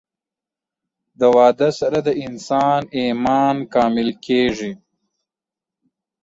د واده سره د انسان ايمان کامل کيږي